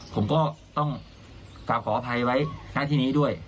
ผมก็ต้องกลับขออภัยไว้หน้าที่นี้ด้วย